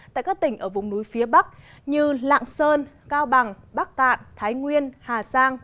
tại các tỉnh ở vùng núi phía bắc như lạng sơn cao bằng bắc cạn thái nguyên hà giang